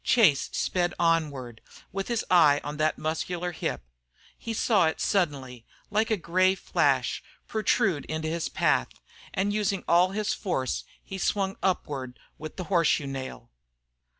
Chase sped onward, with his eye on that muscular hip. He saw it suddenly, like a gray flash, protrude in his path, and using all his force he swung upward with the horseshoe nail.